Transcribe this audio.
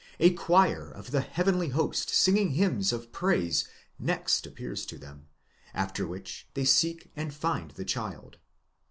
A choir of the heavenly host singing hymns of praise next appears to them, after which they seek and find the child.